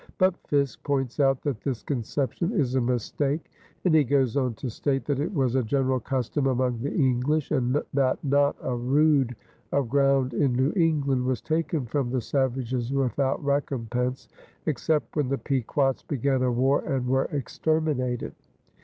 But Fiske points out that this conception is a mistake and he goes on to state that it was a general custom among the English and that not a rood of ground in New England was taken from the savages without recompense, except when the Pequots began a war and were exterminated.